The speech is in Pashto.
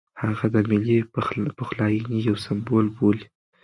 هغه د ملي پخلاینې یو سمبول بولي.